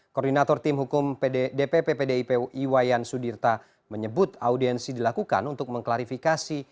koordinator tim hukum dpp pdip iwayan sudirta menyebut audiensi dilakukan untuk mengklarifikasi